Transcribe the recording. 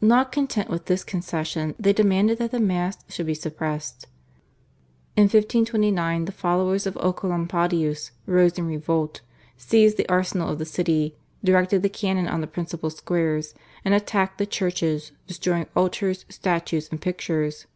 Not content with this concession, they demanded that the Mass should be suppressed. In 1529 the followers of Oecolampadius rose in revolt, seized the arsenal of the city, directed the cannon on the principal squares, and attacked the churches, destroying altars, statues, and pictures.